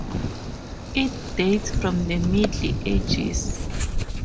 It dates from the Middle Ages.